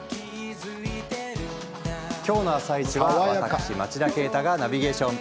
今日の「あさイチ」は私、町田啓太がナビゲーション。